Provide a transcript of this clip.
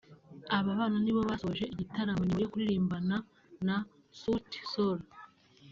Aba bana nibo basoje igitaramo nyuma yo kuririmbana na Suti sol